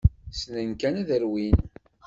Ssnen kan ad rwin.